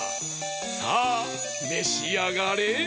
さあめしあがれ！